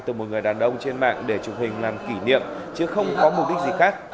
từ một người đàn ông trên mạng để chụp hình làm kỷ niệm chứ không có mục đích gì khác